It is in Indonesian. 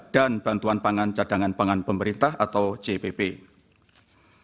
dan bantuan pangan cadangan pangan pemerintah atau bps